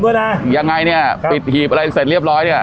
ยังไงเนี่ยปิดหีบอะไรเสร็จเรียบร้อยเนี่ย